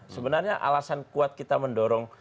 sebenarnya alasan kuat kita mendorong